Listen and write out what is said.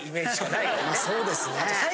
そうですね。